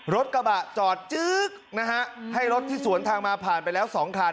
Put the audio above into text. รถกระบะจอดจึ๊กนะฮะให้รถที่สวนทางมาผ่านไปแล้ว๒คัน